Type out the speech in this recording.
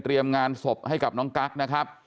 งานศพให้กับน้องกั๊กนะครับ